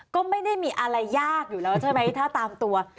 ก็ไม่ได้มีอะไรยากอยู่แล้วใช่ไหมถ้าตามตัว